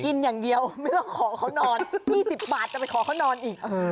กินอย่างเดียวไม่ต้องขอเขานอน๒๐บาทจะไปขอเขานอนอีก